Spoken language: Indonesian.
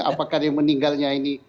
apakah dia meninggalnya ini